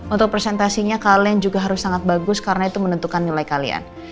untuk presentasinya kalian juga harus sangat bagus karena itu menentukan nilai kalian